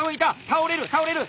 倒れる倒れる！